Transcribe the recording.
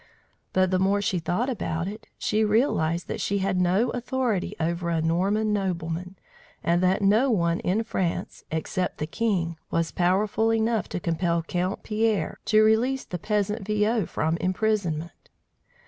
But the more she thought about it, she realized that she had no authority over a Norman nobleman, and that no one in France, except the king, was powerful enough to compel Count Pierre to release the peasant Viaud from imprisonment.